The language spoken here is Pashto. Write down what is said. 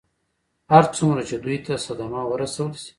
هر څومره چې دوی ته صدمه ورسول شي.